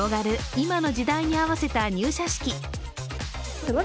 今の時代に合わせた入社式。